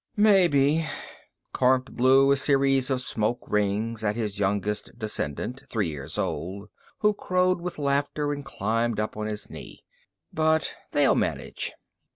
"Maybe." Kormt blew a series of smoke rings at his youngest descendant, three years old, who crowed with laughter and climbed up on his knee. "But they'll manage."